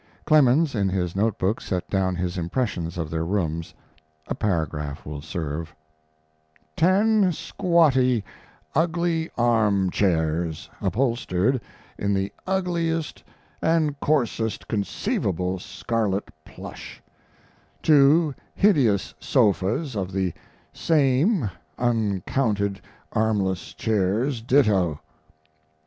Clemens, in his note book, set down his impressions of their rooms. A paragraph will serve: Ten squatty, ugly arm chairs, upholstered in the ugliest and coarsest conceivable scarlet plush; two hideous sofas of the same uncounted armless chairs ditto.